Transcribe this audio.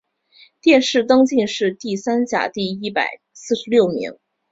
殿试登进士第三甲第一百四十六名。